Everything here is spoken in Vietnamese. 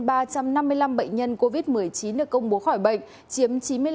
trong một mươi năm bệnh nhân covid một mươi chín được công bố khỏi bệnh chiếm chín mươi năm tám